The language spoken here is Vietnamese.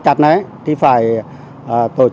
trên kênh hiento